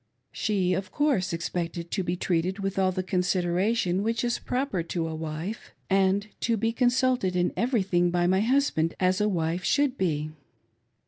She, of course, expected to be treated with all the consideration which is proper to a wife, and to be consulted in everything by my husband, as a wife should be.